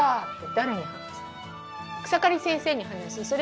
誰に話す？